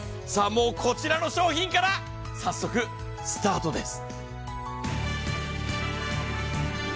もうこちらの商品から早速スタートです。